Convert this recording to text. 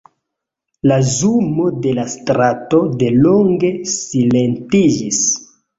La zumo de la strato delonge silentiĝis.